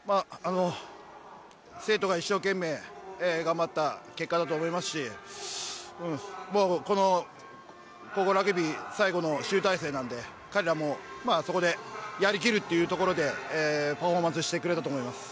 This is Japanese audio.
◆生徒が一生懸命、頑張った結果だと思いますし、この高校ラグビー最後の集大成なんで、彼らもそこでやり切るというところでパフォーマンスをしてくれたと思います。